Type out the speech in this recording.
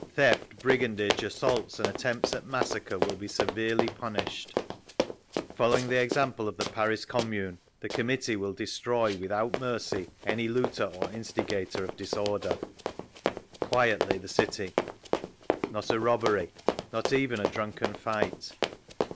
Theft, brigandage, assaults and attempts at massacre will be severely punished…. Following the example of the Paris Commune, the Committee will destroy without mercy any looter or instigator of disorder…. Quiet lay the city. Not a hold up, not a robbery, not even a drunken fight.